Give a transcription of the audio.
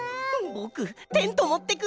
ぼくテントもってくる！